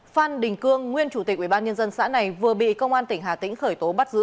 phan đình cương nguyên chủ tịch ubnd xã này vừa bị công an tỉnh hà tĩnh khởi tố bắt giữ